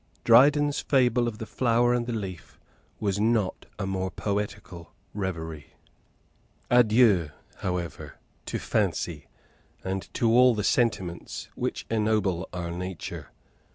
Dryden's fable of the flower and the leaf was not a more poetical reverie. Adieu, however, to fancy, and to all the sentiments which ennoble our nature.